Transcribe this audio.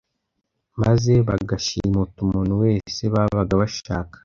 maze bagashimuta umuntu wese babaga bashaka.